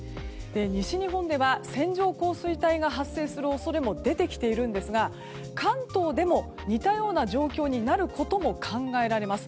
西日本では線状降水帯が発生する恐れも出てきているんですが関東でも、似たような状況になることも考えられます。